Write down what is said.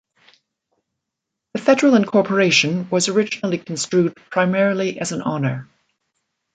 The federal incorporation was originally construed primarily as an honor.